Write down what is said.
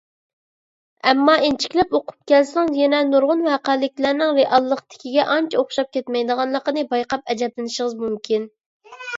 ئەمما ئىنچىكىلەپ ئوقۇپ كەلسىڭىز يەنە نۇرغۇن ۋەقەلىكلەرنىڭ رېئاللىقتىكىگە ئانچە ئوخشاپ كەتمەيدىغانلىقىنى بايقاپ ئەجەبلىنىشىڭىز مۇمكىن.